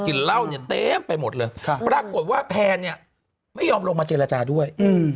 เหล้าเนี่ยเต็มไปหมดเลยปรากฏว่าแพนเนี่ยไม่ยอมลงมาเจรจาด้วย